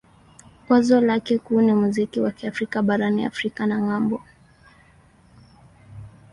Wazo lake kuu ni muziki wa Kiafrika barani Afrika na ng'ambo.